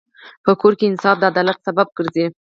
په کور کې انصاف د عدالت سبب ګرځي.